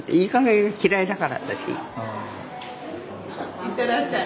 行ってらっしゃい。